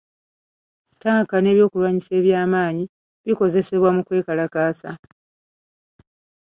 Tanka ne byokulwanyisa eby'amaanyi bikozesebwa mu kwekalakaasa.